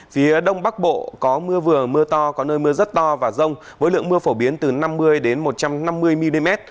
phía đông bắc bộ có mưa vừa mưa to có nơi mưa rất to và rông với lượng mưa phổ biến từ năm mươi một trăm năm mươi mm